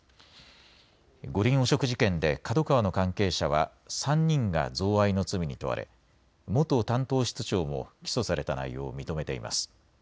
五輪汚職事件でＫＡＤＯＫＡＷＡの関係者は３人が贈賄の罪に問われ元担当室長も起訴された内容を認めています。